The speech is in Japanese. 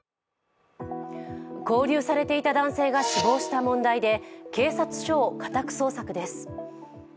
勾留されていた男性が死亡した問題で警察署を家宅捜索です。